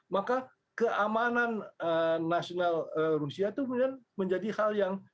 maka keamanan nasional rusia itu kemudian menjadi hal yang